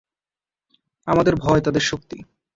আমাদের ভয় তাদের শক্তি।